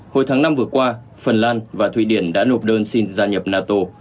hồi tháng năm vừa qua phần lan và thụy điển đã nộp đơn xin gia nhập nato